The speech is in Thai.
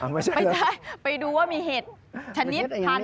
ไม่ได้ไปดูว่ามีเห็ดชนิดพันธุ์อะไรบ้าง